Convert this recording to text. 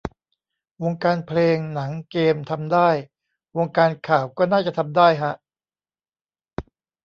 วงการเพลง หนัง เกมทำได้ วงการข่าวก็น่าจะทำได้ฮะ